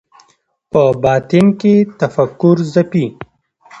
په باطن کې تفکر ځپي